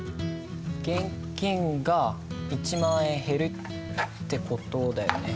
現金が１万円減るって事だよね。